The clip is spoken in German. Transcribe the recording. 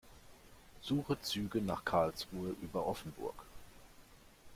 Suche Züge nach Karlsruhe über Offenburg.